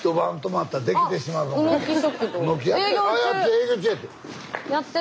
営業中やて。